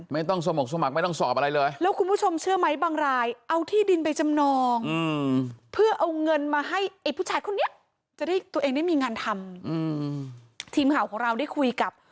ที่ตัวเองได้มีงานทำอืมทีมข่าวของเราได้คุยกับ